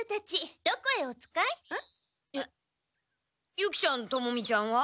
ユキちゃんトモミちゃんは？